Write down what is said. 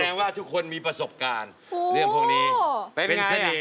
แสดงว่าทุกคนมีประสบการณ์เรื่องพวกนี้